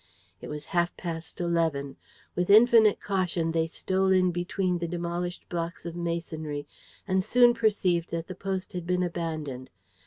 It was half past eleven. With infinite caution they stole in between the demolished blocks of masonry and soon perceived that the post had been abandoned.